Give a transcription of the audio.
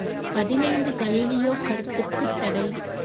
பதினைந்து கலீலியோ கருத்துக்குத்தடை!